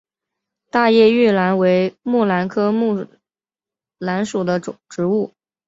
大叶玉兰为木兰科木兰属的植物。